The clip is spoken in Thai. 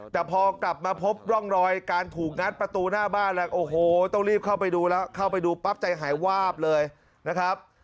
แต่พอกลับมาพบร่องรอยการถูกงัดประตูหน้าบ้านแล้วโอ้โหต้องรีบเข้าไปดูแล้วเข้าไปดูปั๊บใจหายวาบเลยนะครับ